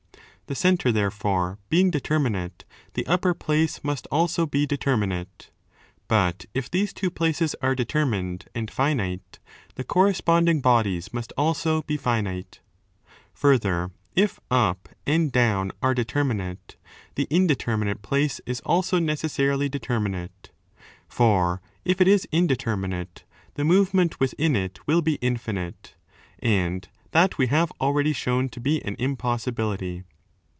The centre, therefore, being determinate, the upper place must also be determinate. But if these two places are determined 1s and finite, the corresponding bodies must also be finite. Further, if up and down are determinate, the intermediate place is also necessarily determinate. For, if it is indeter minate, the movement within it will be infinite?; and that we have already shown to be an impossibility.